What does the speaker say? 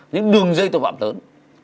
những đường dây tội phạm lớn